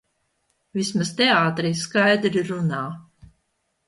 Vismaz teātrī skaidri runā.